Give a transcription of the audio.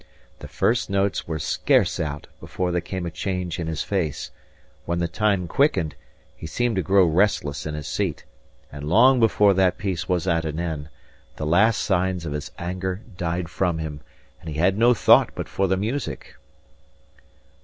The first notes were scarce out, before there came a change in his face; when the time quickened, he seemed to grow restless in his seat; and long before that piece was at an end, the last signs of his anger died from him, and he had no thought but for the music.